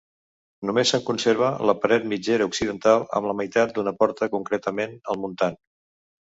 Només se'n conserva la paret mitgera occidental, amb la meitat d'una porta, concretament el muntant.